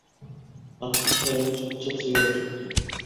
আফসার সাহেব চুপচাপ সিগারেট টানছেন।